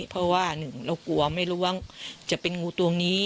เพราะว่าหนึ่งเรากลัวไม่รู้ว่าจะเป็นงูตัวนี้